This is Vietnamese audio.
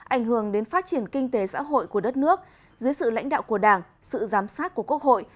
ảnh hưởng đến phát triển kinh tế xã hội của đất nước dưới sự lãnh đạo của đảng sự giám sát của quốc hội